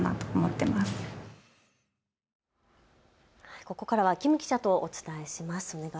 ここからは金記者とお伝えします。